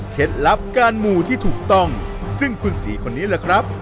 ลับการหมู่ที่ถูกต้องซึ่งคุณศรีคนนี้แหละครับ